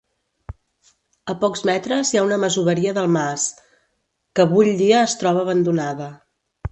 A pocs metres hi ha una masoveria del mas, que vull dia es troba abandonada.